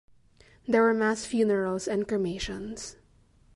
There were mass funerals and cremations.